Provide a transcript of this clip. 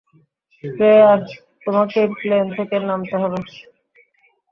Claire, তোমাকেই plane থেকে নামতে হবে।